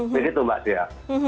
begitu mbak zia